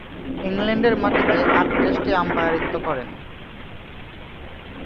ইংল্যান্ডের মাটিতে আট টেস্টে আম্পায়ারিত্ব করেন।